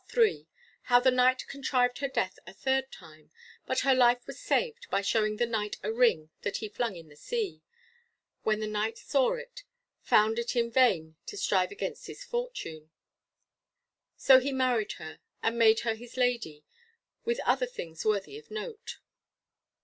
PART III. How the Knight contrived her death a third time; but her life was saved, by showing the Knight a ring that he flung in the sea; when the Knight saw it, found it in vain to strive against his fortune, so he married her, and made her his lady; with other things worthy of note.